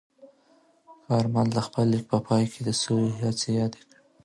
کارمل د خپل لیک په پای کې د سولې هڅې یادې کړې.